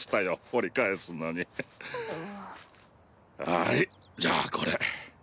はいじゃあこれ。